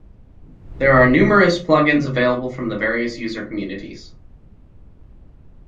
There are numerous plugins available from the various user communities.